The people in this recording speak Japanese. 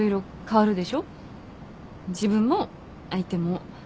自分も相手も。